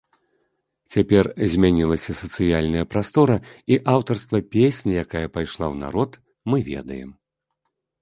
Цяпер змянілася сацыяльная прастора, і аўтарства песні, якая пайшла ў народ, мы ведаем.